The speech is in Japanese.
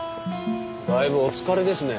だいぶお疲れですね。